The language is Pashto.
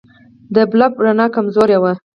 د بلب رڼا کمزورې وه.